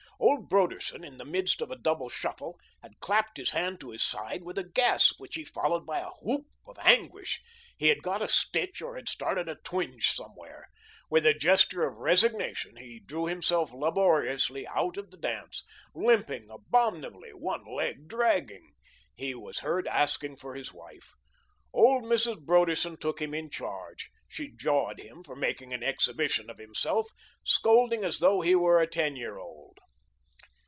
Old Broderson, in the midst of a double shuffle, had clapped his hand to his side with a gasp, which he followed by a whoop of anguish. He had got a stitch or had started a twinge somewhere. With a gesture of resignation, he drew himself laboriously out of the dance, limping abominably, one leg dragging. He was heard asking for his wife. Old Mrs. Broderson took him in charge. She jawed him for making an exhibition of himself, scolding as though he were a ten year old.